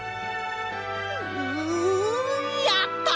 ううやった！